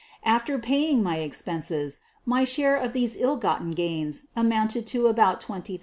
After paying my expenses, my share of these ill gotten gains amounted to about $20,000.